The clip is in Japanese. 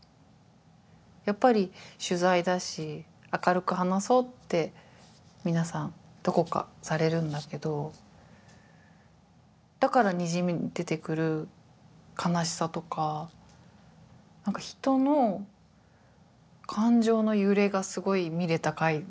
やっぱり取材だし明るく話そうって皆さんどこかされるんだけどだからにじみ出てくる悲しさとか何か人の感情の揺れがすごい見れた回な気がしてます。